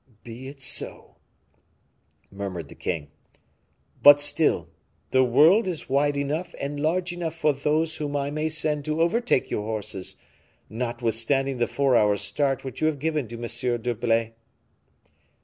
"Be it so!" murmured the king. "But still, the world is wide enough and large enough for those whom I may send to overtake your horses, notwithstanding the 'four hours' start' which you have given to M. d'Herblay."